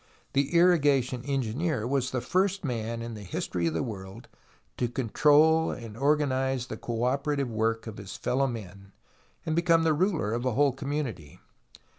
The irrigation engineer was the first man in the history of the world to control and organize the co opera tive work of his fellow men, and become the ruler of a whole community.